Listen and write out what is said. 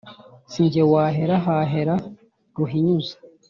Si jye wahera hahera Ruhinyuza.